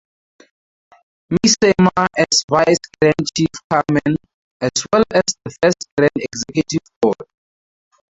Missemer as Vice Grand Chief Carman, as well as the first Grand Executive Board.